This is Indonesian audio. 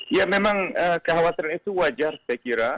ya memang kekhawatiran itu wajar saya kira